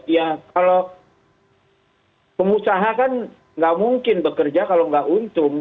ya kalau pengusaha kan nggak mungkin bekerja kalau nggak untung